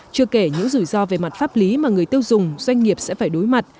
chưa kể những rủi ro về mặt pháp lý mà người tiêu dùng doanh nghiệp sẽ phải đối mặt